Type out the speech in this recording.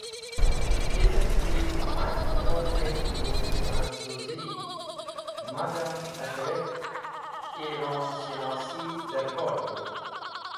Chizer ki maz̃h tiyor kerti Fransuzi, magam adret Iron-shinosi dẽrkor tu.